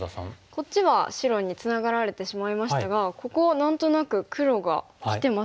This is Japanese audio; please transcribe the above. こっちは白につながられてしまいましたがここ何となく黒がきてますね。